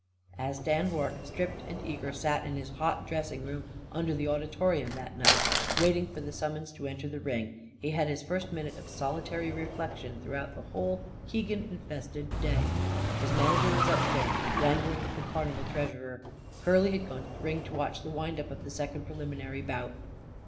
As Dan Rorke, stripped and eager, sat in his hot dressing room under the auditorium that night, waiting for the summons to enter the ring, he had his first minute of solitary reflection throughout the whole Keegan infested day. His manager was upstairs, wrangling with the carnival treasurer. Curly had gone to the ring to watch the wind up of the second preliminary bout.